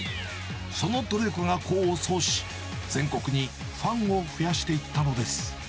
その努力が功を奏し、全国にファンを増やしていったのです。